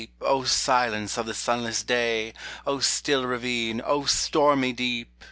O silence of the sunless day ! O still ravine ! O stormy deep